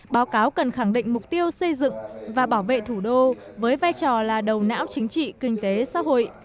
báo cáo cần khẳng định mục tiêu xây dựng và bảo vệ thủ đô với vai trò là đầu não chính trị kinh tế xã hội